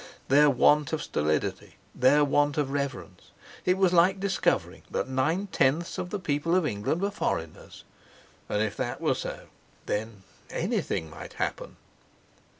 Their want of stolidity, their want of reverence! It was like discovering that nine tenths of the people of England were foreigners. And if that were so—then, anything might happen!